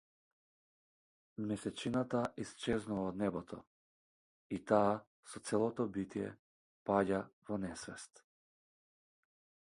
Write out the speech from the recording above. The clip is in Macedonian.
Месечината исчезнува од небото, и таа со целото битие паѓа во несвест.